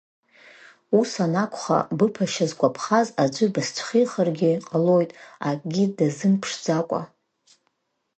Ус анакәха, быԥашьа згәаԥхаз аӡәы бысцәхихыргьы ҟалоит, акгьы дазымԥшӡакәа.